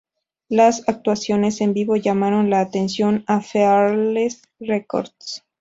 Las actuaciones en vivo llamaron la atención de Fearless Records.